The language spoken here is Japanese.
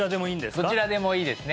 どちらでもいいですね